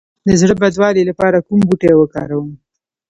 د زړه بدوالي لپاره کوم بوټی وکاروم؟